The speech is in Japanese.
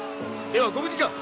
ではご無事か。